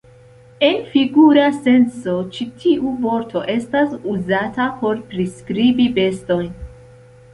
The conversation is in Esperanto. En figura senco ĉi tiu vorto estas uzata por priskribi bestojn.